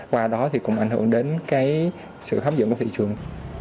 qua đó thì cũng ảnh hưởng đến cái sự hấp dẫn của thị trường